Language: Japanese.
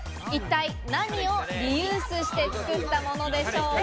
一体何をリユースして作ったものでしょうか？